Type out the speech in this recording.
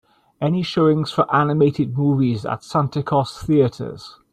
Any showings for animated movies at Santikos Theatres.